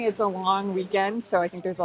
dan malangnya ini adalah hujung peringkat